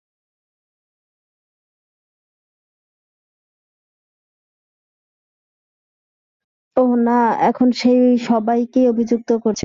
ওহ, না, এখন সেই সবাইকেই অভিযুক্ত করছে!